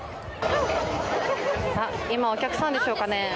今、お客さんでしょうかね。